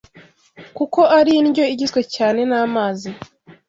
kuko ari indyo igizwe cyane n’amazi